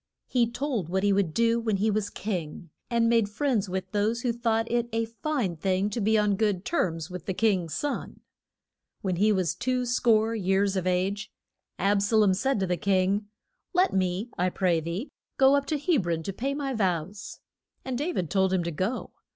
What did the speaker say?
He told what he would do when he was king, and made friends with those who thought it a fine thing to be on good terms with the king's son. When he was two score years of age, Ab sa lom said to the king, Let me, I pray thee, go up to Heb ron to pay my vows. And Da vid told him to go.